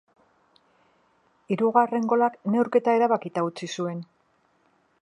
Hirugarren golak neurketa erabakita utzi zuen.